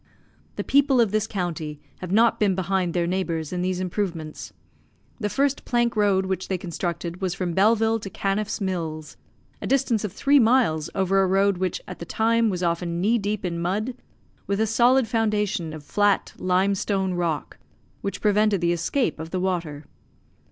The people of this county have not been behind their neighbours in these improvements. The first plank road which they constructed was from Belleville to Canniff's Mills, a distance of three miles over a road which at the time was often knee deep in mud, with a solid foundation of flat limestone rock, which prevented the escape of the water.